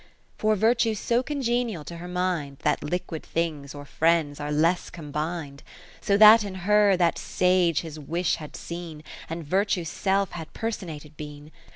For virtue's so congenial to her mind, That liquid things, or friends, are less combin'd. So that in her that sage his wish had seen. And virtue's self had personated been.